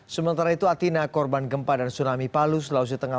sementara itu atina korban gempa dan tsunami palu sulawesi tengah